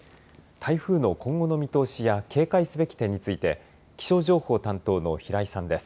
台風の今後の見通しや警戒すべき点について気象情報担当の平井さんです。